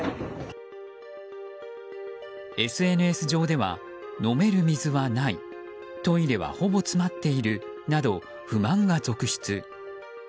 ＳＮＳ上では、飲める水はないトイレはほぼ詰まっているなど不満が続出。